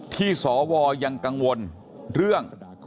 ที่สวยังกังวลเรื่อง